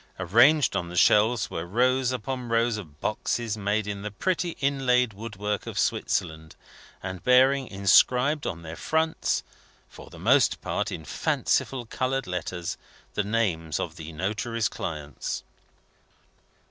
Arranged on the shelves, were rows upon rows of boxes made in the pretty inlaid woodwork of Switzerland, and bearing inscribed on their fronts (for the most part in fanciful coloured letters) the names of the notary's clients.